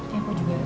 ya aku juga